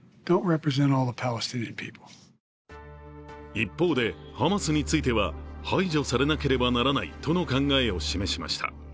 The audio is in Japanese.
一方で、ハマスについては排除されなければならないとの考えを示しました。